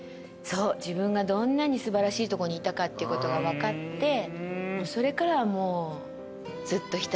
そう自分がどんなに素晴らしいとこにいたかっていうことが分かってそれからはもうずっと。